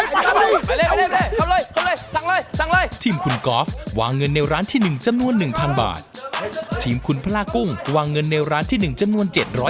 พี่เคยเห็นว่ะพี่เคยเห็นแต่บ้านต่างอากาศเหรอเท่านี้